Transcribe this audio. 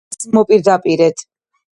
პავლეს კათედრალის მოპირდაპირედ.